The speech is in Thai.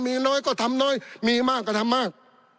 มีน้อยก็ทำน้อยมีมากก็ทำมาก